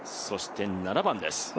そして７番です。